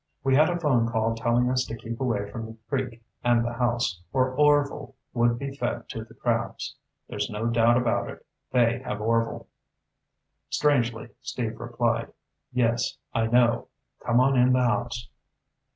We had a phone call telling us to keep away from the creek and the house, or Orvil would be fed to the crabs. There's no doubt about it. They have Orvil." Strangely, Steve replied, "Yes, I know. Come on in the house."